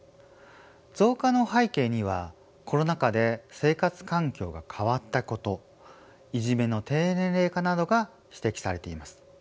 増加の背景にはコロナ禍で生活環境が変わったこといじめの低年齢化などが指摘されています。